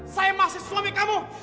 saya masih suami kamu